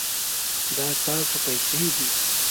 دا ستاسو پیسې دي